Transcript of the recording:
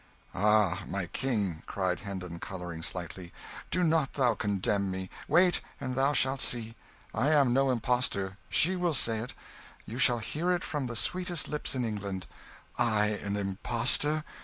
"Ah, my King," cried Hendon, colouring slightly, "do not thou condemn me wait, and thou shalt see. I am no impostor she will say it; you shall hear it from the sweetest lips in England. I an impostor?